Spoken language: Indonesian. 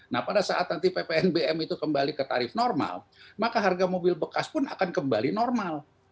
nah pada saat nanti ppnbm itu kembali ke tarif normal maka harga mobil bekas pun akan kembali normal